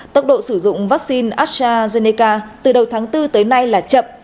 tốc độ sử dụng vaccine astrazeneca từ đầu tháng bốn tới nay là chậm